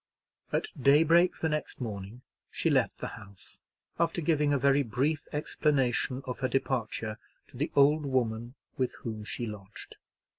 At daybreak the next morning she left the house, after giving a very brief explanation of her departure to the old woman with whom she lodged.